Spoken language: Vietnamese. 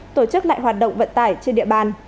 tổ chức lại hoạt động vận tải trên địa bàn